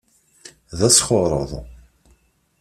D asxuṛṛeḍ.